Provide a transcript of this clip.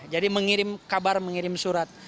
jadi mengirim kabar mengirim surat